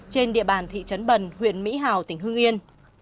trên địa bàn thị trấn bần huyện mỹ hào tỉnh hưng yên